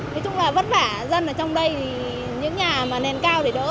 nói chung là vất vả dân ở trong đây thì những nhà mà nền cao để đỡ